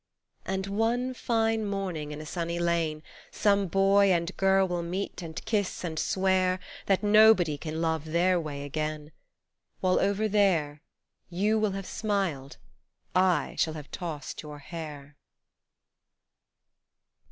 And one fine morning in a sunny lane Some boy and girl will meet and kiss and swear That nobody can love their way again While over there You will have smiled, I shall have tossed your hair.